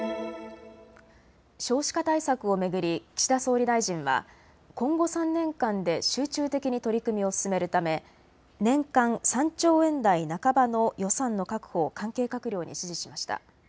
少子化対策を巡り岸田総理大臣は今後３年間で集中的に取り組みを進めるため年間３兆円台半ばの予算の確保を関係閣僚に指示しました。